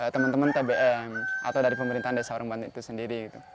teman teman tbm atau dari pemerintahan desa warung bantu itu sendiri